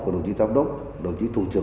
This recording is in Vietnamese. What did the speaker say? của đồng chí giám đốc đồng chí thủ trưởng